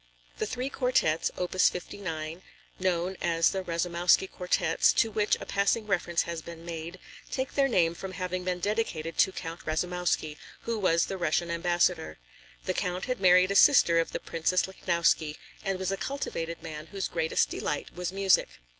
The three quartets, opus 59, known as the Rasoumowsky Quartets, to which a passing reference has been made, take their name from having been dedicated to Count Rasoumowsky, who was the Russian ambassador. The Count had married a sister of the Princess Lichnowsky and was a cultivated man whose greatest delight was music.